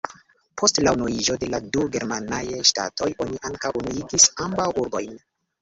Post la unuiĝo de la du germanaj ŝtatoj oni ankaŭ unuigis ambaŭ urbojn.